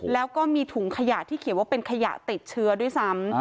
แล้วก็มีถุงขยะที่เขียนว่าเป็นขยะติดเชื้อด้วยซ้ำ